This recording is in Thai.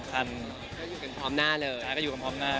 ก็อยู่กันพร้อมหน้าเลย